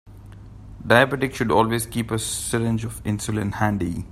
Diabetics should always keep a syringe of insulin handy.